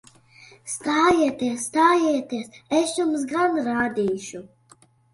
Stājieties! Stājieties! Es jums gan rādīšu!